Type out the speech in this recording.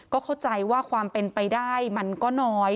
ก็เข้าใจว่าความเป็นไปได้มันก็น้อย